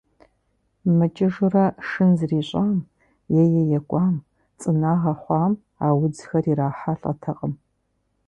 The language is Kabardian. Мыкӏыжурэ шын зрищӏам, е екӏуам, цӏынагъэ хъуам а удзхэр ирахьэлӏэтэкъым.